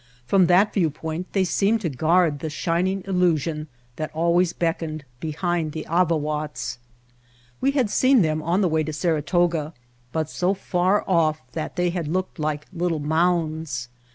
From that viewpoint they seemed to guard the shining illusion that always beckoned behind the Avawatz. We had seen them on the way to Saratoga, but so far off that they had looked like little mounds.